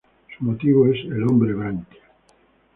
Su motivo es el Hombre-Branquia.